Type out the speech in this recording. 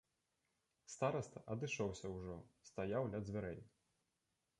Стараста адышоўся ўжо, стаяў ля дзвярэй.